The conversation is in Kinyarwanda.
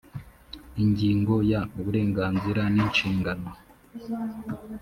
ingingo ya uburenganzira n inshingano